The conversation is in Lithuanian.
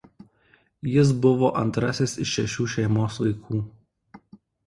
Jis buvo antrasis iš šešių šeimos vaikų.